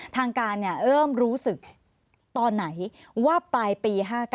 ทางการเริ่มรู้สึกตอนไหนว่าปลายปี๕๙